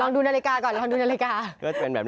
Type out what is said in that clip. ลองดูนาฬิกาก่อน